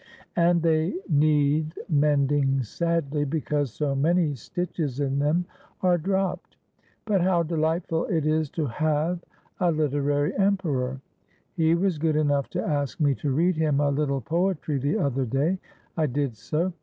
And they need mending sadly, because so many stitches in them are dropped. But how delightful it is to have a Hterary emperor. He was good enough to ask me to read him a httle poetry the other day. I did so.